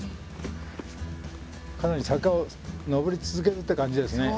かなり坂を登り続けるって感じですね。